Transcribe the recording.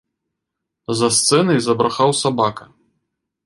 За сцэнай забрахаў сабака.